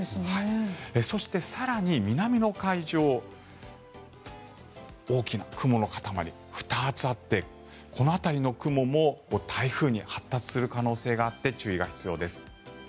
そして更に南の海上大きな雲の塊２つあってこの辺りの雲も台風に発達する可能性があって注意が必要です。